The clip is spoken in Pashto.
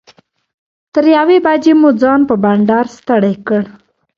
تر یوې بجې مو ځان په بنډار ستړی کړ.